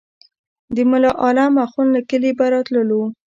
د ملا عالم اخند له کلي به راتللو.